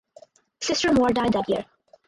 Sister More died that year.